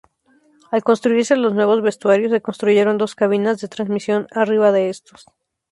Al construirse los nuevos vestuarios, se construyeron dos cabinas de transmisión arriba de estos.